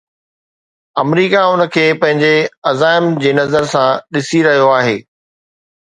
آمريڪا ان کي پنهنجي عزائم جي نظر سان ڏسي رهيو آهي.